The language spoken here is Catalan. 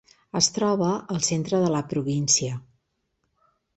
Es troba al centre de la província.